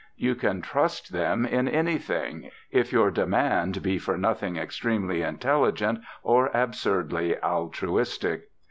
You can trust them in anything, if your demand be for nothing extremely intelligent or absurdly altruistic.